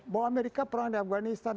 bahwa amerika perang di afganistan